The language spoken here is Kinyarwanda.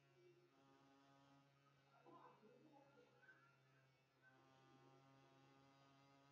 Ndamutetereza nkamutamaza,